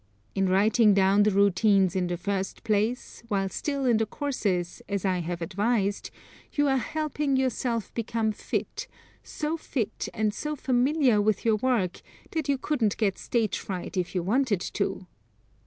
In writing down the routines in the first place, while still in the courses, as I have advised, you are helping yourself become fit, so fit and so familiar with your work that you couldn't get stage fright if you wanted to.